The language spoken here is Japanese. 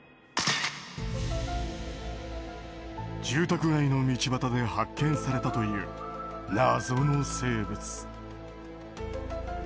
住宅街の道端で発見されたという謎の生物。